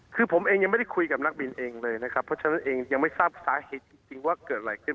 คือผมเองยังไม่ได้คุยกับนักบินเองเลยนะครับเพราะฉะนั้นเองยังไม่ทราบสาเหตุจริงว่าเกิดอะไรขึ้น